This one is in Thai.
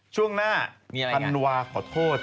ช่วงหน้ามีอะไรครับฟัลนวาขอโทษ